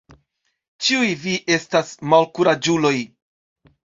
Ĉiuj vi estas malkuraĝuloj.